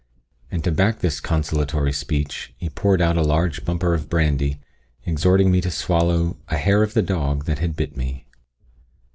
And to back this consolatory speech, he poured out a large bumper of brandy, exhorting me to swallow "a hair of the dog that had bit me."